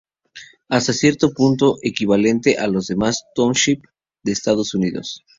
Es hasta cierto punto equivalente a los demás "township" de Estados Unidos.